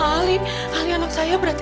ali ali anak saya berarti